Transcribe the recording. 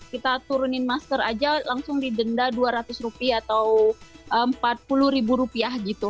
kita turunin masker aja langsung didenda dua ratus rupiah atau empat puluh ribu rupiah gitu